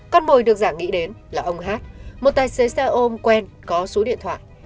con mồi được giả nghĩ đến là ông hát một tài xế xe ôm quen có số điện thoại